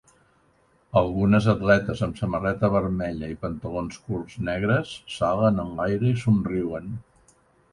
Algunes atletes amb samarreta vermella i pantalons curts negres salen en l'aire i somriuen.